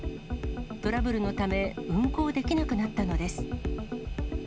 トラブルのため、運行できなくなったのです。